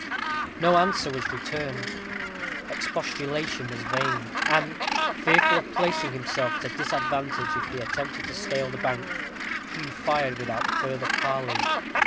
No answer was returned: expostulation was vain; and, fearful of placing himself at a disadvantage if he attempted to scale the bank, Hugh fired without further parley.